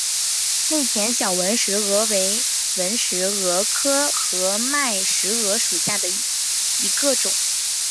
内田小纹石蛾为纹石蛾科合脉石蛾属下的一个种。